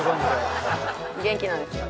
元気なんですよ。